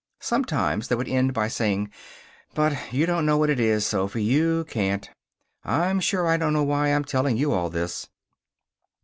Sometimes they would end by saying, "But you don't know what it is, Sophy. You can't. I'm sure I don't know why I'm telling you all this."